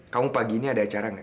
kamu pagi ini ada acara nggak